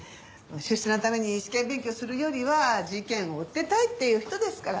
出世のために試験勉強するよりは事件を追ってたいっていう人ですから。